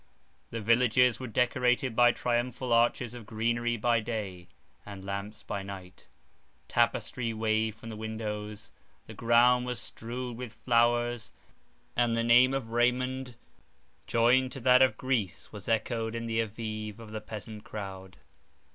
The villages were decorated by triumphal arches of greenery by day, and lamps by night; tapestry waved from the windows, the ground was strewed with flowers, and the name of Raymond, joined to that of Greece, was echoed in the Evive of the peasant crowd.